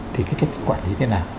thì cái cách thức quản lý thế nào